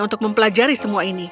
untuk mempelajari semua ini